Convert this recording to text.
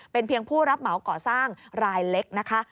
เป็นเพียงผู้รับเหมาก่อสร้างรายเล็กนะคะ